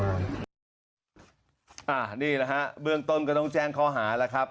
อ่านี่เหลอ่าเบือนต้นกือต้องแจ้งเขาหาละครับ